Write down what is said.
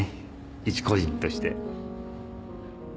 一個人として。